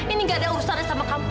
ini gak ada urusan sama kamu